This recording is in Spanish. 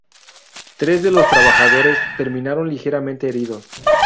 Tres de los trabajadores terminaron ligeramente heridos.